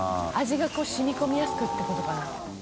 こう染みこみやすくってことかな？